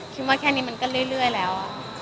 ว่าแค่นี้มันก็เรื่อยแล้ว